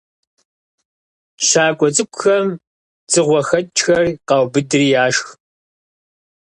«ЩакӀуэ цӀыкӀухэм» дзыгъуэхэкӀхэр къаубыдри яшх.